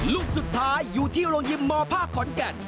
ลูกสุดท้ายอยู่ที่โรงยิมมภาคขอนแก่น